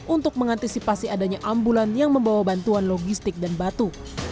untuk mengantisipasi adanya ambulan yang membawa bantuan logistik dan batu